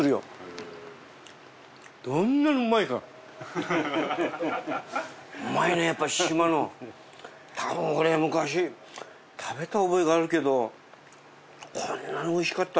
うまいねやっぱり島のたぶん俺昔食べた覚えがあるけどこんなにおいしかった？